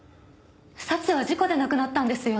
早智は事故で亡くなったんですよね？